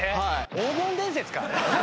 『黄金伝説。』か！